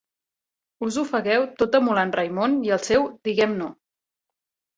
Us ofegueu tot emulant Raimon i el seu Diguem No.